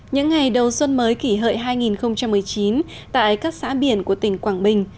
những ngày đầu xuân mới kỷ hợi hai nghìn một mươi chín tại các xã biển của tỉnh quảng bình